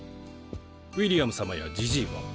ウィリアム様やじじいは？